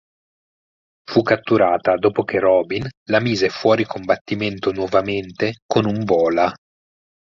Fu catturata dopo che Robin la mise fuori combattimento nuovamente con un bola.